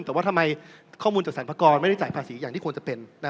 แต่ว่าทำไมข้อมูลจากสรรพากรไม่ได้จ่ายภาษีอย่างที่ควรจะเป็น